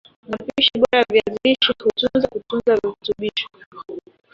Mapishi Bora ya Viazi lishe hutunza kutunza virutubisho